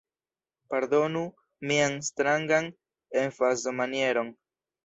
Pardonu mian strangan emfazomanieron.